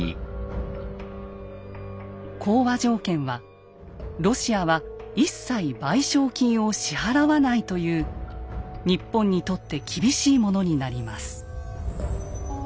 講和条件はロシアは一切賠償金を支払わないという日本にとって厳しいものになります。